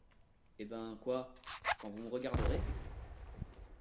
Eh ben, quoi ? quand vous me regarderez !…